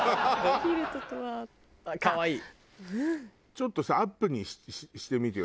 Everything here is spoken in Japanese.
ちょっとさアップにしてみてよ